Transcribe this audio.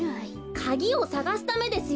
カギをさがすためですよ。